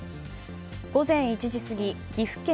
午前１時過ぎ岐阜県